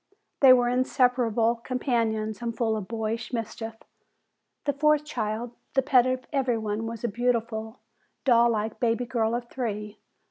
They were inseparable companions, and full of boyish mischief. The fourth child, the pet of everybody, was a beautiful, doll like baby girl of three, whose name was Helen.